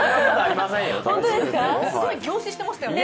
すごい凝視していましたよね。